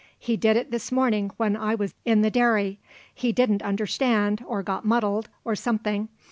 "He did it this morning when I was in the dairy. He didn't understand, or got muddled, or something.